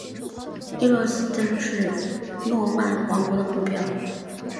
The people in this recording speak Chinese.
伊弗里基叶的无政府状态使它成为西西里诺曼王国的目标。